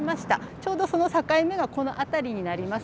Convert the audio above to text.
ちょうど、その境目がこの辺りになります。